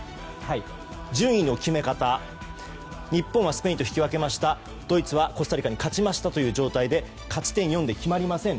順位の決め方日本はスペインと引き分けましたドイツはコスタリカに勝ちましたという状態で勝ち点４で決まりません。